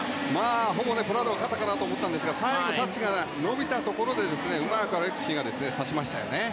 ほぼプラウドが勝ったかなと思いましたが最後、タッチが伸びたところでうまくアレクシーが差しました。